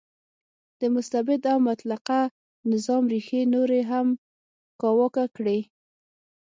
د مستبد او مطلقه نظام ریښې نورې هم کاواکه کړې.